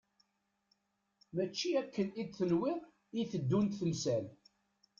Mačči akken i tenwiḍ i teddunt temsal.